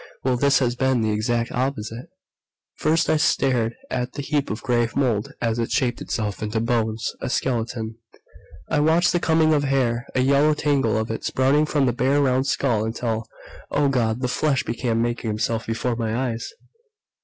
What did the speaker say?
Well, this has been the exact opposite! "First, I stared at the heap of grave mold as it shaped itself into bones, a skeleton. "I watched the coming of hair, a yellow tangle of it sprouting from the bare round skull, until oh, God! the flesh began making itself before my eyes!